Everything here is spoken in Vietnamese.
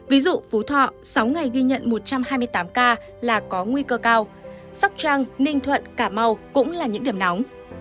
ví dụ phú thọ sáu ngày ghi nhận một trăm hai mươi tám ca là có nguy cơ cao sóc trăng ninh thuận cà mau cũng là những điểm nóng